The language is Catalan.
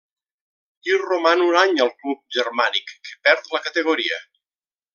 Hi roman un any al club germànic, que perd la categoria.